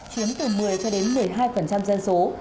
chiếm từ một mươi cho đến một mươi hai dân số